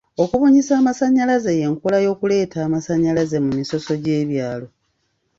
Okubunyisa amasannyalaze y'enkola y'okuleeta amasannyalaze mu misoso gy'ebyalo.